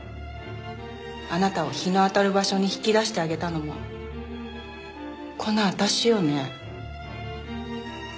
あなたを日の当たる場所に引き出してあげたのもこの私よね？